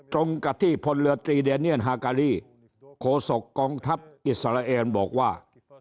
ตรงกับที่พลเรือตรีเดเนียนฮาการีโคศกกองทัพอิสราเอลบอกว่า